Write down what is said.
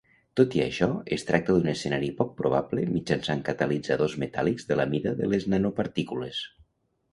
Tot i això, es tracta d'un escenari poc probable mitjançant catalitzadors metàl·lics de la mida de les nanopartícules.